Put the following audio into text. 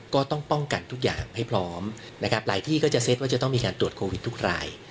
ก็ต้องป้องกันทุกอย่างให้พร้อมนะครับหลายที่ก็จะเซตว่าจะต้องมีการตรวจโควิดทุกราย